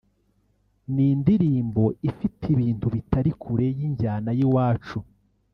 ni indirimbo ifite ibintu bitari kure y’injyana y’iwacu